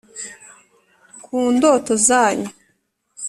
ku ndoto zanyu